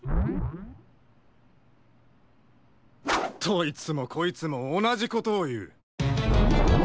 どいつもこいつもおなじことをいう。